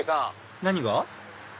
何が？